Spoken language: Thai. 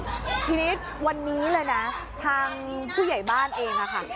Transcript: ทีนี้วันนี้เลยนะทางผู้ใหญ่บ้านเองค่ะ